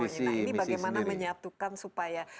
ini bagaimana menyatukan supaya